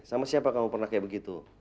sama siapa kamu pernah kayak begitu